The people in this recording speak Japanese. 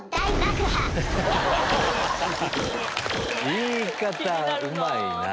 言い方うまいな。